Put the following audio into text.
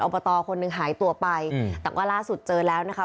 บตคนหนึ่งหายตัวไปแต่ว่าล่าสุดเจอแล้วนะคะ